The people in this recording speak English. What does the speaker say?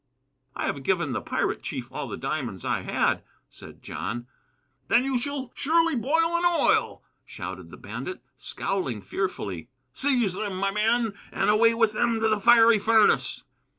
"I have given the pirate chief all the diamonds I had," said John. "Then you shall surely boil in oil!" shouted the bandit, scowling fearfully. "Seize them, my men, and away with them to the fiery furnace."